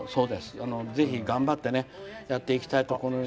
ぜひ、頑張ってやっていきたいと。